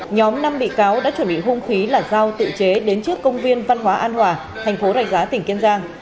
nhóm năm bị cáo đã chuẩn bị hung khí là giao tự chế đến trước công viên văn hóa an hòa thành phố rạch giá tỉnh kiên giang